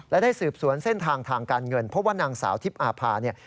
และได้สืบสวนเส้นทางทางการเงินเพราะว่านางสาวทิพย์อาภาเนี่ย